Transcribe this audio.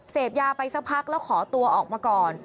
เสพยาไปสักพักแล้วขอตัวออกมาก่อน